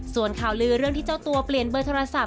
ส่วนข่าวลือเรื่องที่เจ้าตัวเปลี่ยนเบอร์โทรศัพท์